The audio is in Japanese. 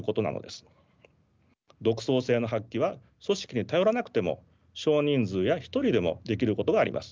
独創性の発揮は組織に頼らなくても少人数や一人でもできることがあります。